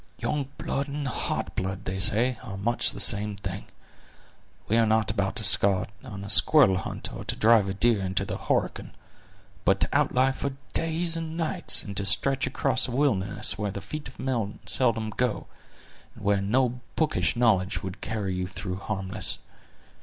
"Young blood and hot blood, they say, are much the same thing. We are not about to start on a squirrel hunt, or to drive a deer into the Horican, but to outlie for days and nights, and to stretch across a wilderness where the feet of men seldom go, and where no bookish knowledge would carry you through harmless.